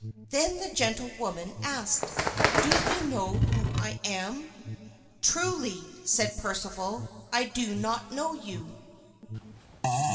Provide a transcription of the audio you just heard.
Then the gentlewoman asked, "Do you know who I am?" "Truly," said Sir Percival, "I do not know you."